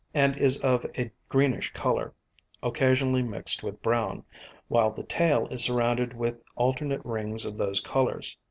and is of a greenish colour, occasionally mixed with brown, while the tail is surrounded with alternate rings of those colours.